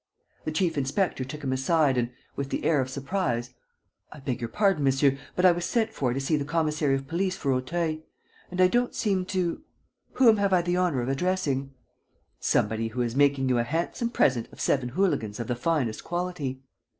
The chief inspector took him aside and, with the air of surprise: "I beg your pardon, monsieur, but I was sent for to see the commissary of police for Auteuil. And I don't seem to ... Whom have I the honor of addressing?" "Somebody who is making you a handsome present of seven hooligans of the finest quality."